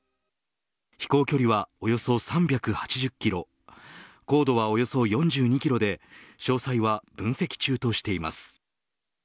飛行距離はおよそ３８０キロ高度はおよそ４２キロで詳細は分析中としています。